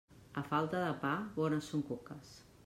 A falta de pa, bones són coques.